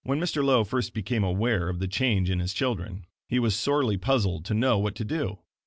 ] When Mr. Lowe first became aware of the change in his children, he was sorely puzzled to know what to do.